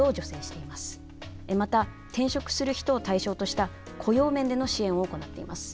また転職する人を対象とした雇用面での支援を行っています。